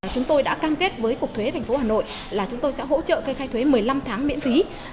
chúng tôi đã cam kết với cục thuế thành phố hà nội là chúng tôi sẽ hỗ trợ cây khai thuế một mươi năm tháng miễn phí